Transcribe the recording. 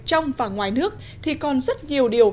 trong và ngoài nước thì còn rất nhiều điều